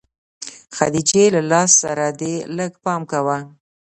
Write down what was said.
خديجې له لاس سره دې لږ پام کوه.